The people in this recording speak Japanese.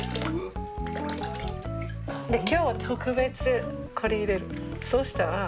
今日は特別これ入れる。